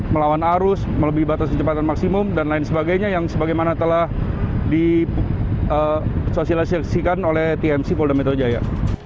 melawan arus melebihi batas kecepatan maksimum dan lain sebagainya yang sebagaimana telah disosialisasikan oleh tmc polda metro jaya